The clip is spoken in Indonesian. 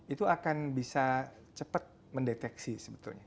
itu akan bisa cepat mendeteksi sebetulnya